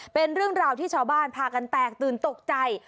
เป็นเรื่องราวที่ชาวบ้านพากันแตกตื่นตกใจ